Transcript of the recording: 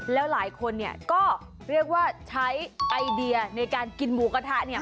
แล้วหลายคนเนี่ยก็เรียกว่าใช้ไอเดียในการกินหมูกระทะเนี่ย